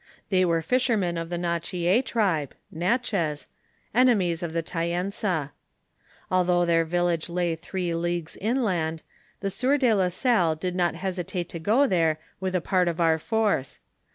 They were fishermen of the Nachi^ tribe (Natchez), enemies of the Taensa. Although their vil lage lay three leagues inland, the sieur de la Salle did not hesitate to go there with a part of our force.